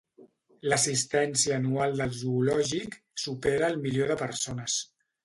L'assistència anual del zoològic supera el milió de persones.